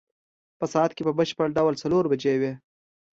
په ساعت کې په بشپړ ډول څلور بجې وې.